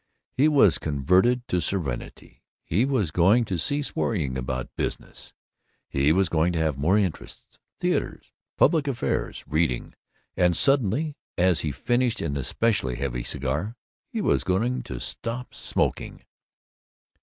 He was converted to serenity. He was going to cease worrying about business. He was going to have more "interests" theaters, public affairs, reading. And suddenly, as he finished an especially heavy cigar, he was going to stop smoking.